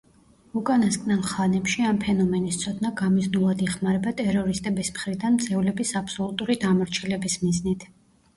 უკანასკნელ ხანებში ამ ფენომენის ცოდნა გამიზნულად იხმარება ტერორისტების მხრიდან მძევლების აბსოლუტური დამორჩილების მიზნით.